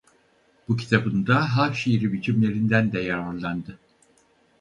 Bu kitabında halk şiiri biçimlerinden de yararlandı.